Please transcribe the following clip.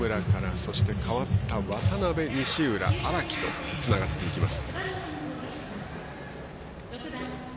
そして、代わった渡邉西浦、荒木とつながっていきます。